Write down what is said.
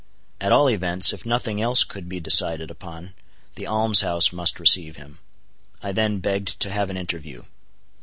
At all events, if nothing else could be decided upon, the alms house must receive him. I then begged to have an interview.